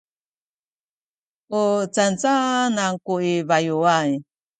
u canacanan ku i bayuay?